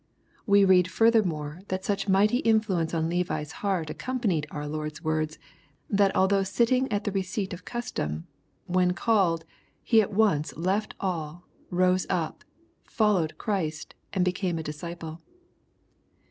— We read furthermore, that such mighty influence gn Levi's heart accompanied our Lord's words, that although " sitting at the receipt of custom," when called, he at once " left all, rose up, followed " Christ, and became a disciple.